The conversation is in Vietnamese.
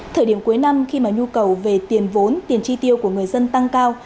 thời điểm cuối năm khi mà nhu cầu về tiền vốn tiền chi tiêu của người dân tăng cao